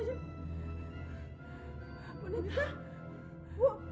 ibu nita ibu